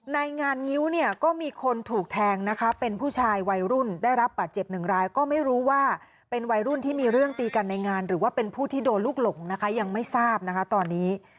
ในงานงิ้วเนี่ยก็มีคนถูกแทงนะคะเป็นผู้ชายวัยรุ่นได้รับบาดเจ็บหนึ่งรายก็ไม่รู้ว่าเป็นวัยรุ่นที่มีเรื่องตีกันในงานหรือว่าเป็นผู้ที่โดนลูกหลงนะคะยังไม่ทราบนะคะตอนนี้